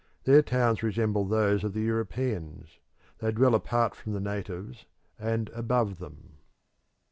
Their towns resemble those of the Europeans; they dwell apart from the natives, and above them.